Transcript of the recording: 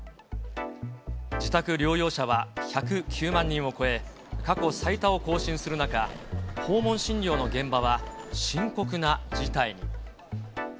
自宅療養者は１０９万人を超え、過去最多を更新する中、訪問診療の現場は深刻な事態に。